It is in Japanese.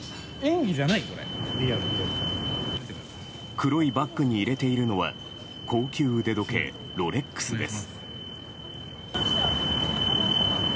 黒いバッグに入れているのは高級腕時計ロレックスです。